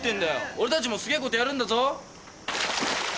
俺たちもすげえことやるんだぞ。